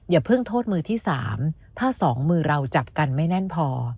อย่าเพิ่งโทษมือที่๓ถ้า๒มือเราจับกันไม่แน่นพอ